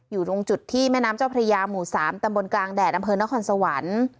อยู่ตรงจุดที่แม่น้ำเจ้าพระยาหมู่๓ตำบลกลางแดดอำเภอนครสวรรค์